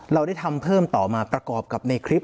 เราได้ทำเพิ่มต่อมาประกอบกับในคลิป